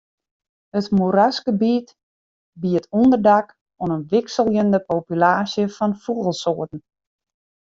It moerasgebiet biedt ûnderdak oan in wikseljende populaasje fan fûgelsoarten.